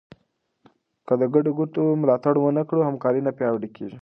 که د ګډو ګټو ملاتړ ونه کړې، همکاري نه پیاوړې کېږي.